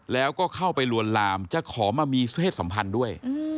แล้วก็เข้าไปลวนลามจะขอมามีเพศสัมพันธ์ด้วย